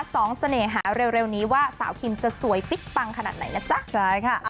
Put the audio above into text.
สองเสน่หาเร็วนี้ว่าสาวคิมจะสวยฟิตปังขนาดไหนนะจ๊ะใช่ค่ะ